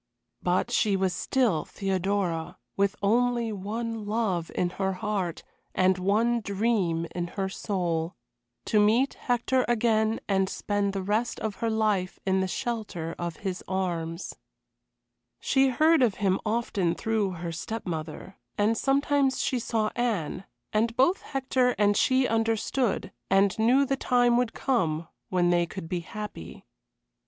But she was still Theodora, with only one love in her heart and one dream in her soul to meet Hector again and spend the rest of her life in the shelter of his arms. She heard of him often through her step mother; and sometimes she saw Anne and both Hector and she understood, and knew the time would come when they could be happy.